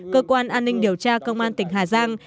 cơ quan an ninh điều tra công an tỉnh hà giang